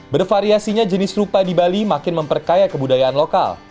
bervariasinya jenis rupa di bali makin memperkaya kebudayaan lokal